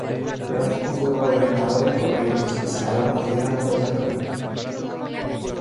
Velazco fue gobernador de Corrientes y senador nacional por esa provincia.